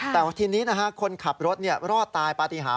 แต่ว่าทีนี้นะฮะคนขับรถเนี่ยรอดตายปฏิหาร